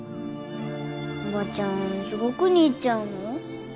おばちゃん地獄に行っちゃうの？